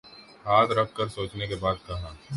ہاتھ رکھ کر سوچنے کے بعد کہا۔